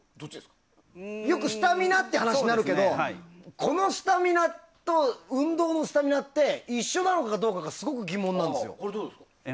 よくスタミナっていう話になるけどこのスタミナと運動のスタミナって一緒なのかどうかがすごく疑問なんですよ。